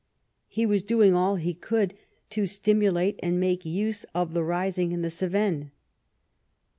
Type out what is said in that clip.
He was doing all he could to stimulate and make use of the rising in the Cevennes.